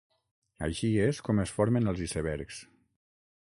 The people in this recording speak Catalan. Així és com es formen els icebergs.